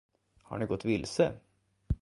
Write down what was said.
Har ni gått vilse?